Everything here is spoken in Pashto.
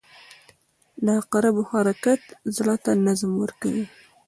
• د عقربو حرکت زړه ته نظم ورکوي.